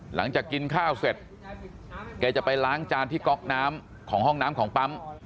หลังจากกินข้าวเสร็จแกจะไปล้างจานที่ก๊อกน้ำของห้องน้ำของปั๊ม